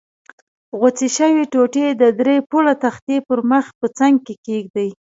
غوڅې شوې ټوټې د درې پوړه تختې پر مخ په څنګ کې کېږدئ.